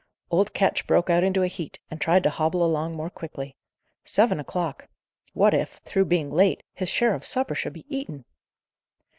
Old Ketch broke out into a heat, and tried to hobble along more quickly. Seven o'clock! What if, through being late, his share of supper should be eaten!